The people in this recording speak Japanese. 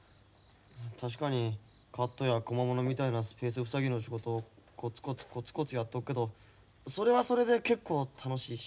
確かにカットやコマモノみたいなスペース塞ぎの仕事をコツコツコツコツやっとっけどそれはそれで結構楽しいし。